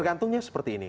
tergantungnya seperti ini